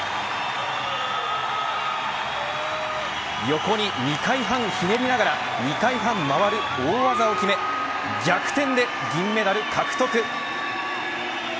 横に２回半ひねりながら２回半回る大技を決め逆転で銀メダル獲得。